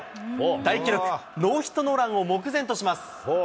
大記録、ノーヒットノーランを目前とします。